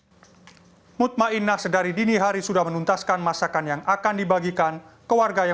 hai mutma inna sedari dini hari sudah menuntaskan masakan yang akan dibagikan ke warga yang